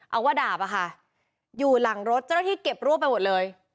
เอาว่าดาบอะค่ะอยู่หลังรถเจ้าหน้าที่เก็บรวบไปหมดเลย